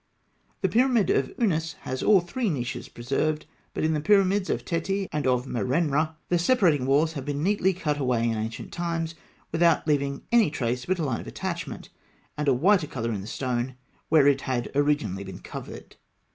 The pyramid of Ûnas has all three niches preserved; but in the pyramids of Teti and of Merenra, the separating walls have been neatly cut away in ancient times, without leaving any trace but a line of attachment, and a whiter colour in the stone where it had been originally covered.